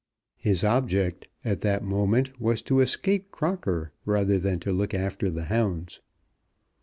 His object at that moment was to escape Crocker rather than to look after the hounds.